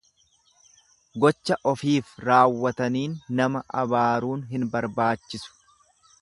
Gocha ofiif raawwataniin nama abaaruun hin barbaachisu.